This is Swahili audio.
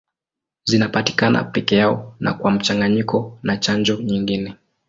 Zinapatikana peke yao na kwa mchanganyiko na chanjo nyingine.